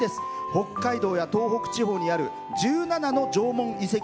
北海道や東北地方にある１７の縄文遺跡